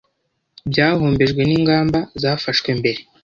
byahombejwe n'ingamba zafashwe mbere,